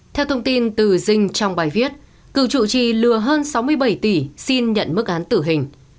theo thông tin từ dinh trong bài viết cựu chủ trì lừa hơn sáu mươi bảy tỷ xin nhận mức án tử hình